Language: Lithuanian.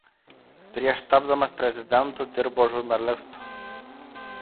Prieš tapdamas prezidentu dirbo žurnalistu.